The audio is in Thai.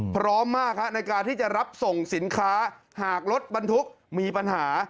พร้อมมากในการที่จะรับส่งสินค้าหากรถบรรทุกมีปัญหา